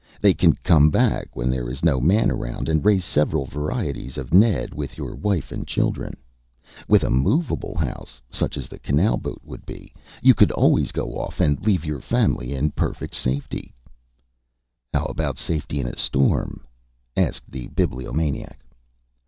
They can come back when there is no man around, and raise several varieties of Ned with your wife and children. With a movable house, such as the canal boat would be, you could always go off and leave your family in perfect safety." [Illustration: "SHE COULD NOT POSSIBLY GET ABOARD AGAIN"] "How about safety in a storm?" asked the Bibliomaniac.